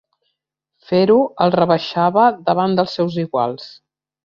Fer-ho el rebaixava davant dels seus iguals.